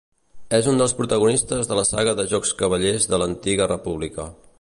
És un dels protagonistes de la saga de jocs Cavallers de l'Antiga República.